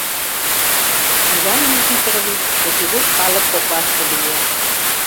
Иван Никифорович кечыгут калык коклаште лие.